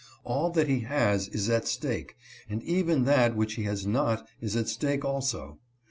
All that he has is at stake, and even that which he has not is at stake also.